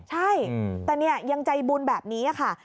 ใช่แต่เนี่ยยังใจบุญแบบนี้ค่ะ